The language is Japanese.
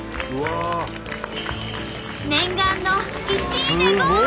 念願の１位でゴール！